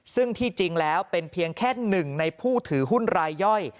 ซึ่งที่จริงแล้วเป็นเพียงแค่หนึ่งในผู้ถือหุ้นรายย่อย